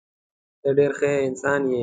ته ډېر ښه انسان یې.